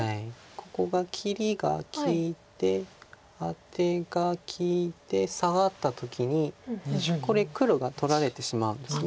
ここが切りが利いてアテが利いてサガった時にこれ黒が取られてしまうんです。